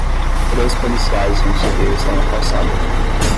Três policiais e um civil estão na calçada.